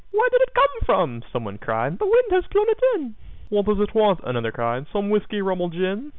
"Where did it come from?" someone said. " The wind has blown it in." "What does it want?" another cried. "Some whiskey, rum or gin?"